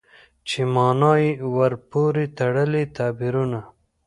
چې مانا يې ورپورې تړلي تعبيرونه